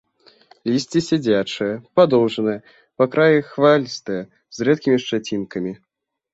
Лісце сядзячае, падоўжанае, па краі хвалістае, з рэдкімі шчацінкамі.